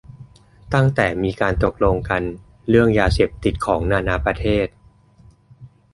ตั้งแต่มีการตกลงกันเรื่องยาเสพติดของนานาประเทศ